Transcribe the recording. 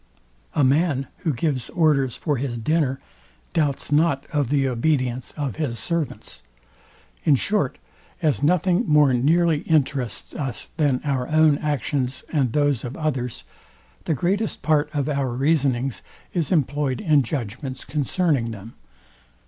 A man, who gives orders for his dinner, doubts not of the obedience of his servants. In short, as nothing more nearly interests us than our own actions and those of others, the greatest part of our reasonings is employed in judgments concerning them.